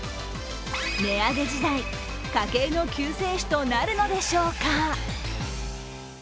値上げ時代、家計の救世主となるのでしょうか。